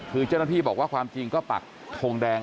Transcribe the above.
คือเจ้าหน้าที่บอกว่าความจริงก็ปักทงแดง